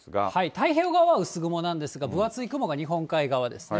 太平洋側は薄雲なんですが、分厚い雲が日本海側ですね。